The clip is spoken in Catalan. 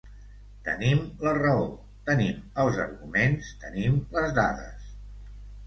Tenim la raó, tenim els arguments, tenim les dades.